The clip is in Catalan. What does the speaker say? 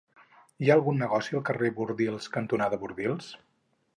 Hi ha algun negoci al carrer Bordils cantonada Bordils?